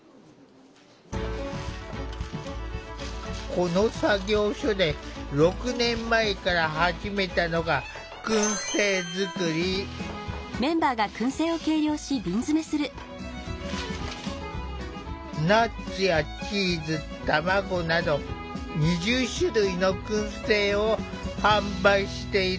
この作業所で６年前から始めたのがナッツやチーズ卵など２０種類のくん製を販売している。